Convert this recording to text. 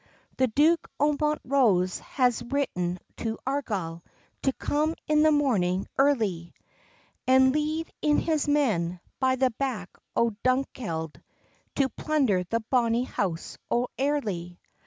The Duke o' Montrose has written to Argyle To come in the morning early, An' lead in his men, by the back O' Dunkeld, To plunder the bonnie house o' Airly.